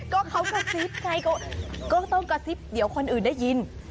ก็เขากระซิบไงก็ต้องกระซิบเดี๋ยวคนอื่นได้ยิน